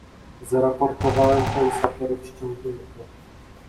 "Zaraportowałem to i saperów ściągnięto."